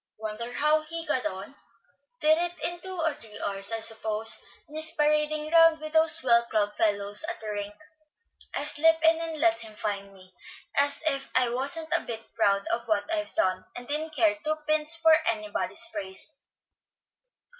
Wonder how he got on. Did it in two or three hours, I suppose, and is parading round with those swell club fellows at the rink. I'll slip in and let him find me, as if I wasn't a bit proud of what I've done, and didn't care two pins for anybody's praise."